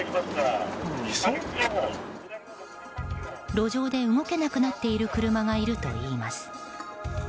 路上で動けなくなっている車がいるといいます。